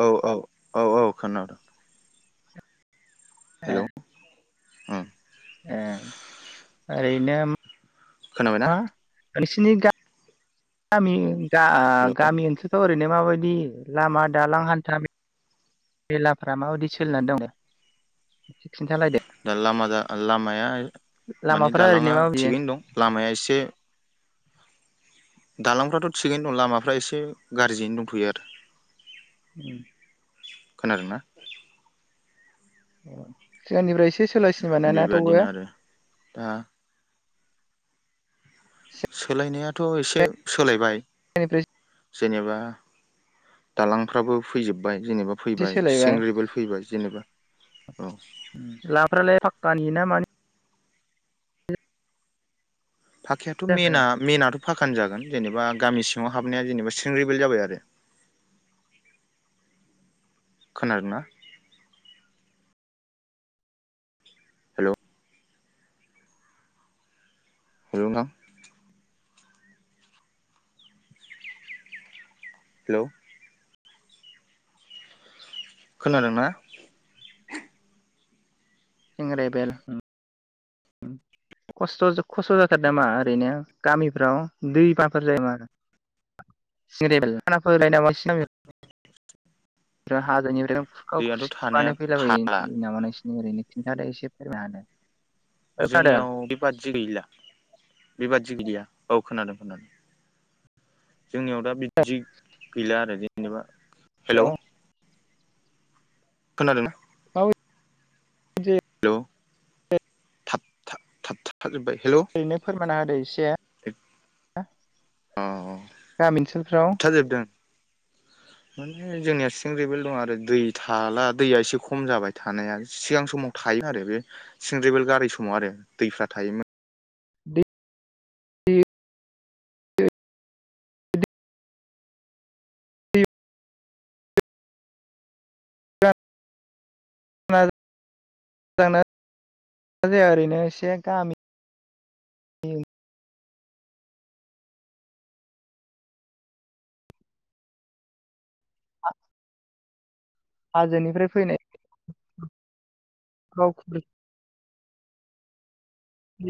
औ औ औ औ खानादों ए औ ए ओरैनो खोनाबायना मा नोंसिनि गा गामि गा ओ हेलौ गामि ओनसोलथ' ओरैनो माबायदि लामा दालां हान्था मेलाफ्रा माबायदि सोलिनानै दङ दा लामा लामाया माने लामाफ्रा ओरैनो दालांङा माबायदि थिगैनो दं लामाया एसे दालांफ्राथ' थिगैनो दं लामाफ्रा एसे गाज्रियैनो दंथ'यो आरो उ खोनादों ना जोंनिफ्राया एसे सोलायसिनोबानाना बेबादिनो थेवबो आरो दा सोलायनायाथ' एसे सोलायबाय फ्राय जेनेबा दालांफ्राबो फैजोब जा एसे फैबाय सोलायबाय सेंग्रेबेल फैबाय जेनेबा औ लामाफ्रालाय फाक्कानि ना मानि पाखायाथ' जाखो मेन मेनाथ' फाखानो जागोन जेनेबा गामि सिंङाव हाबनाया जेनेबा सिं ग्रेबेल जाबाय आरो खोनादों ना हेल' हेल नोंथां हेलौ खोनादों ना? सें ग्रेबेल खस्थ' जोंब खस्थ' जाथारो नामा ओरैनो गामिफ्राव दै बाना फोर जायो नामा आरो सिं गेबेल खानाफोरोलायनाय नोसिना गामिआ हाजोनिफ्राय खुरखाव दैयाथ' खुरसि थानाया माने फैला थाला बायो नामानायसो। ओरैनो खिन्थादो एसे फोरमायना होदो। जोंनियाव बेबादि गैला। बेबादि गैया औ खोनादों खोनादों। जोंनियाव दा बिदि गैला आरो। जेनेबा हेल' औ खोनादों हेलौ खोनादों ना? माबायदि जायो हेल' थाब था थाबथाजोब्बाय। हेलौ ओरैनो फोरमाना होदै। दैया अ आ गामि ओनसोलफोराव थाबथाजोबदों माने जोंनिया सिंग्रेबेल दं आरो दै थाला दैया एसे खम जाबाय थानाया सिगां समाव थायो आरो बे सिंग्रेबेल गारै समाव आरो दैफ्रा थायोमोन। दै [unintelligible] आ हाजोनिफ्राय फैनाय गावखुंग